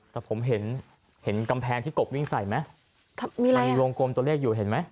แต่ผมเห็นเห็นกำแพงที่กบวิ่งใส่ไหมมีอะไรมีวงกลมตัวเลขอยู่เห็นไหม